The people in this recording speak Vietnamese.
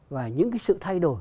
và những cái sự thay đổi